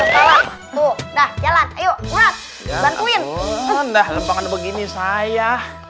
gantuin udah lempokan begini saya